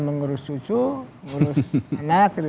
mengurus cucu mengurus anak